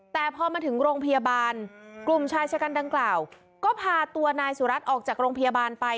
แต่พอมาถึงโรงพยาบาลกลุ่มชายชะกันดังกล่าวก็พาตัวนายสุรัตน์ออกจากโรงพยาบาลไป